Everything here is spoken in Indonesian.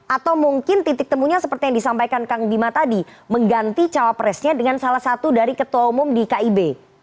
atau mungkin titik temunya seperti yang disampaikan kang bima tadi mengganti cawapresnya dengan salah satu dari ketua umum di kib